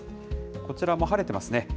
こちらも晴れてますね。